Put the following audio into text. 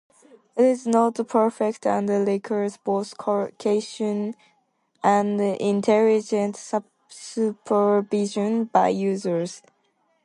It is not perfect and requires both caution and intelligent supervision by users.